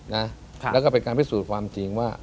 แล้วก็เป็นการพิสูจน์ความจริงว่า